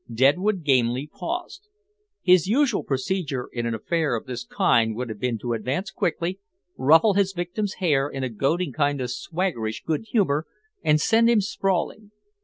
Deadwood Gamely paused. His usual procedure in an affair of this kind would have been to advance quickly, ruffle his victim's hair in a goading kind of swaggerish good humor and send him sprawling.